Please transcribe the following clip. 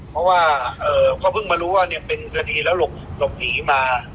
เพราะว่าเอ่อก็เพิ่งมารู้ว่าเนี้ยเป็นสดีแล้วหลบหลบผีมา